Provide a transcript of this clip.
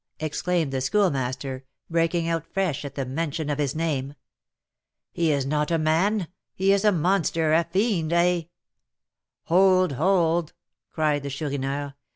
exclaimed the Schoolmaster, breaking out fresh at the mention of his name. "He is not a man; he is a monster, a fiend, a " "Hold, hold!" cried the Chourineur.